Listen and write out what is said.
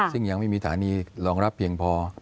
ซึ่งยังไม่มีฐานีรองรับเพียงพอ